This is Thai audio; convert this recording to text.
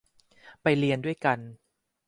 ไปเรียนด้วยกัน !